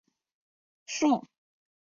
束丝菝葜为百合科菝葜属下的一个种。